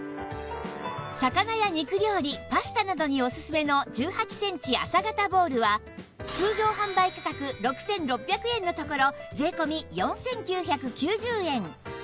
魚や肉料理パスタなどにオススメの１８センチ浅型ボウルは通常販売価格６６００円のところ税込４９９０円